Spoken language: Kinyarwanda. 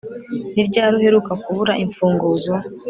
Ni ryari uheruka kubura imfunguzo